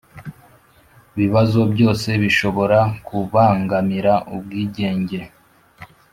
bibazo byose bishobora kubangamira ubwigenge